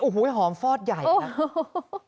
โอ้โหหอมฟอดใหญ่นะ